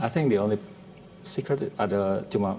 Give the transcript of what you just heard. saya pikir rahasia terakhir adalah